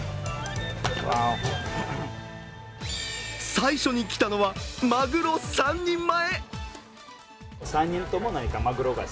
最初に来たのはマグロ３人前。